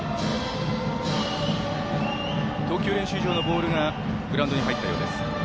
投球練習場のボールがグラウンドに入ったようです。